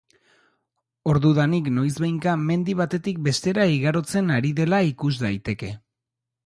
Ordudanik noizbehinka mendi batetik bestera igarotzen ari dela ikus daiteke.